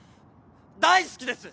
大好きです！